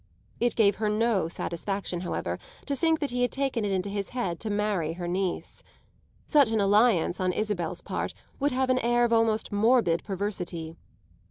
It gave her no satisfaction, however, to think that he had taken it into his head to marry her niece. Such an alliance, on Isabel's part, would have an air of almost morbid perversity.